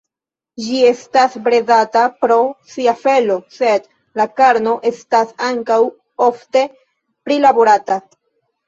Ĝi estas bredata pro sia felo, sed la karno estas ankaŭ ofte prilaborata.